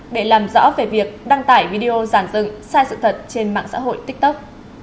để làm rõ về việc đăng tải video giản dựng sai sự thật trên mạng xã hội tiktok